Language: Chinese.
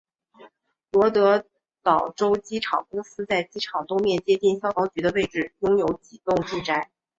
罗德岛州机场公司在机场东面接近消防局的位置拥有几幢住宅。